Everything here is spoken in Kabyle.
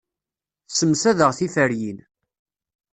Ssemsadeɣ tiferyin.